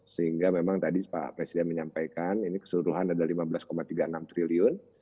sehingga memang tadi pak presiden menyampaikan ini keseluruhan ada lima belas tiga puluh enam triliun